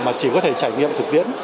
mà chỉ có thể trải nghiệm thực tiễn